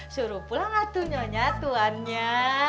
suruh pulanglah tuh nyonya tuannya